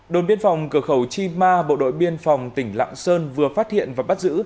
đồn biên phòng cửa khẩu chi ma bộ đội biên phòng tỉnh lạng sơn vừa phát hiện và bắt giữ